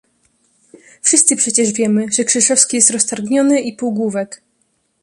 "Wszyscy przecież wiemy, że Krzeszowski jest roztargniony i półgłówek..."